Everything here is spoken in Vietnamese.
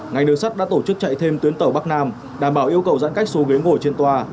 ngành đường sắt đã tổ chức chạy thêm tuyến tàu bắc nam đảm bảo yêu cầu giãn cách số ghế ngồi trên tòa